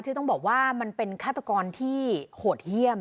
ที่ต้องบอกว่ามันเป็นฆาตกรที่โหดเยี่ยม